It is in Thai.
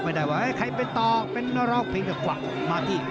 ชี้กันไปชี้กันมา